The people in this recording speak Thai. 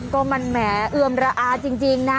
ก็มันแหมเอือมระอาจริงนะ